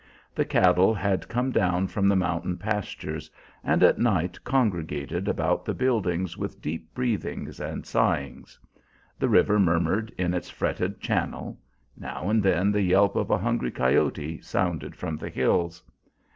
The cattle had come down from the mountain pastures, and at night congregated about the buildings with deep breathings and sighings; the river murmured in its fretted channel; now and then the yelp of a hungry coyote sounded from the hills.